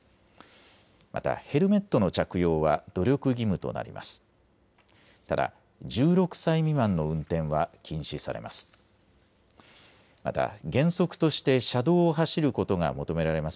またヘルメットの着用は努力義務となります。